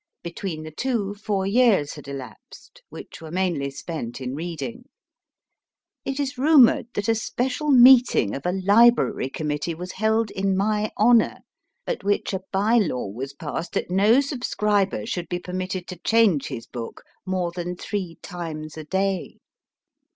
Between the two, four years had elapsed, which were mainly spent in reading. It is rumoured that a special meeting of a library committee was held in my honour, at which a bye law was passed that no subscriber should be per mitted to change his book more than three times a day.